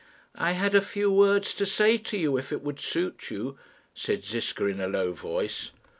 "I had a few words to say to you, if it would suit you," said Ziska, in a low voice.